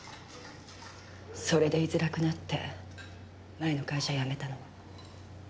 それで居づらくなって前の会社辞めたの。